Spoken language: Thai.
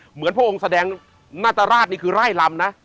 เหมือนพระองค์แสดงนาตราชนี่คือไร่ลำนะ